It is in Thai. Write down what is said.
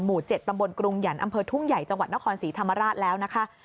๗ตำบลกรุงหยันต์อำเภอทุ่งใหญ่จังหวัดนครศรีธรรมราชแล้วนะคะ